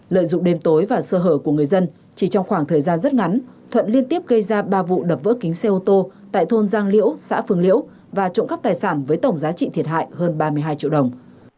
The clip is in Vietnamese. lợi dụng đêm tối và sơ hở của người dân chỉ trong khoảng thời gian rất ngắn thuận liên tiếp gây ra ba vụ đập vỡ kính xe ô tô tại thôn giang liễu xã phương liễu và trộm cắp tài sản với tổng giá trị thiệt hại hơn ba mươi hai triệu đồng